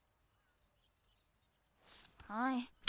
はい。